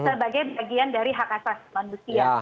sebagai bagian dari hak asasi manusia